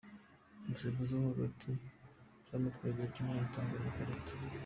Umusifuzi wo hagati byamutwaye igihe kinini atanga amakarita .